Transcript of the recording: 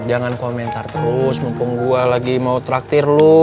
jangan komentar terus mumpung gue lagi mau traktir lo